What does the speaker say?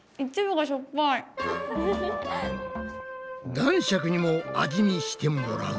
男爵にも味見してもらうと。